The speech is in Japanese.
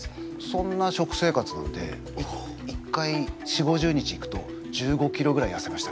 そんな食生活なんで１回４０５０日行くと１５キロぐらいやせましたね。